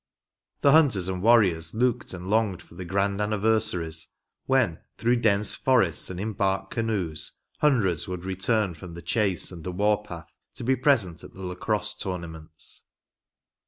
The hunters and warriors looked and longed for the grand anniversaries, when through dense forests, and in bark canoes, hundreds would return from the chase and the war path to be present at the Lacrosse tournaments.